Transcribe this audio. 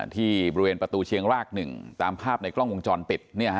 ที่บริเวณประตูเชียงราก๑ตามภาพในกล้องวงจรปิด